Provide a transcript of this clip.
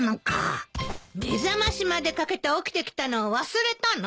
目覚ましまでかけて起きてきたのを忘れたの？